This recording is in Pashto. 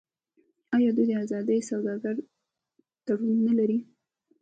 آیا دوی د ازادې سوداګرۍ تړون نلري؟